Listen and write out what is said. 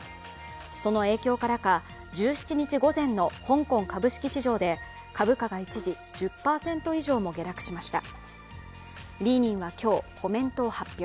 その影響からか、１７日午前の香港株式市場で株価が一時１０％以上も下落しました。